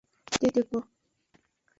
Tetekpo.